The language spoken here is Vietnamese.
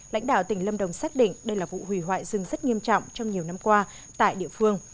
lãnh đạo tỉnh lâm đồng xác định đây là vụ hủy hoại rừng rất nghiêm trọng trong nhiều năm qua tại địa phương